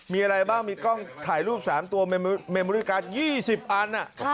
มีอะไรบ้างมีกล้องถ่ายรูป๓ตัวเมมริกา๒๐อัน